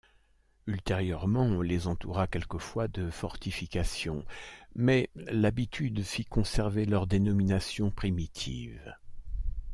Ultérieurement on les entoura quelquefois de fortifications, mais l'habitude fit conserver leur dénomination primitive.